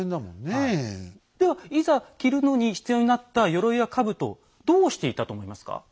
ではいざ着るのに必要になった鎧や兜をどうしていたと思いますか？